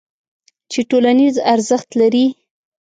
چې ټولنیز ارزښت لري.